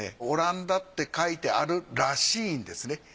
オランダって書いてあるらしいんですね。